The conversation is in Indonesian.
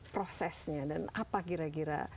prosesnya dan apa kira kira